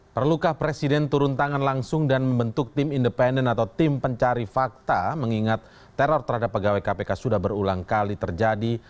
perlukah presiden turun tangan langsung dan membentuk tim independen atau tim pencari fakta mengingat teror terhadap pegawai kpk sudah berulang kali terjadi